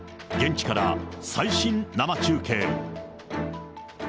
現地から最新生中継。